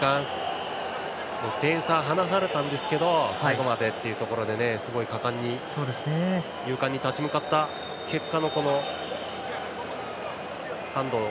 点差、離されましたが最後までというところですごい果敢に、勇敢に立ち向かった結果のハンド。